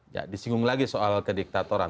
ya disinggung lagi soal kediktatoran